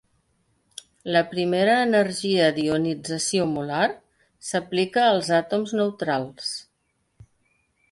La primera energia d'ionització molar s'aplica als àtoms neutrals.